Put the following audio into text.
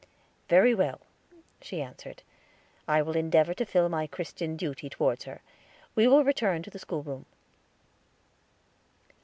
"Very well," she answered; "I will endeavor to fulfill my Christian duty toward her. We will return to the school room."